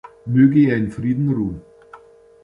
Möge er in Frieden ruhen.